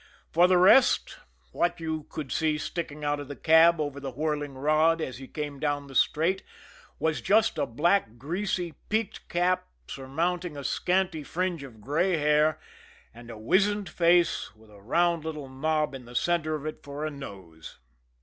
For the rest, what you could see sticking out of the cab over the whirling rod as he came down the straight, was just a black, greasy peaked cap surmounting a scanty fringe of gray hair, and a wizened face, with a round little knob in the center of it for a nose.